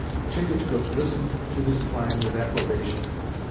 Chingachgook listened to this plan with approbation.